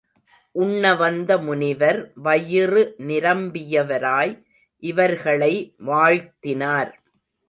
உண்ணவந்த முனிவர் வயிறு நிரம்பியவராய் இவர்களை வாழ்த்தினார்.